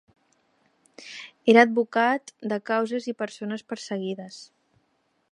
Era advocat de causes i persones perseguides.